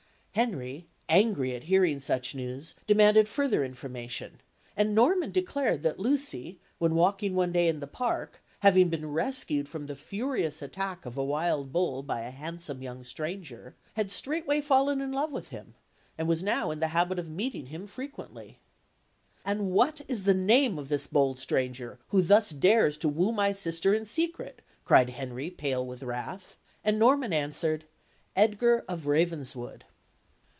Henry, angry at hearing such news, demanded further information; and Norman declared that Lucy, when walking one day in the park, having been rescued from the furious attack of a wild bull by a handsome young stranger, had straightway fallen in love with him, and was now in the habit of meeting him frequently. "And what is the name of this bold stranger who thus dares to woo my sister in secret?" cried Henry, pale with wrath; and Norman answered: "Edgar of Ravenswood!"